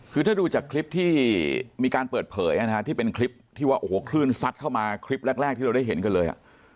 คือถ้าดูจากคลิปที่มีการเปิดเผยที่เป็นคลิปที่ว่าโอ้โหคลื่นซัดเข้ามาคลิปแรกที่เราได้เห็นกันเลย